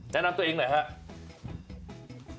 แนะนำตัวเองหน่อยฮะ